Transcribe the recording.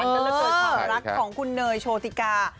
ก็เลยเกิดความรักของคุณเนยโชติกา